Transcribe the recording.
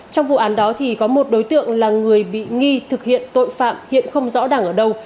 trong vụ án đó thì có một đối tượng là người bị nghi thực hiện tội phạm hiện không rõ đẳng ở đâu